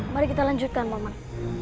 mari kita lanjutkan paman